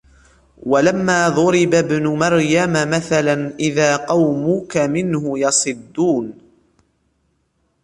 وَلَمَّا ضُرِبَ ابْنُ مَرْيَمَ مَثَلًا إِذَا قَوْمُكَ مِنْهُ يَصِدُّونَ